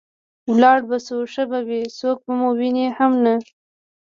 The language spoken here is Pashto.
ولاړ شو ښه به وي، څوک به مو ویني هم نه.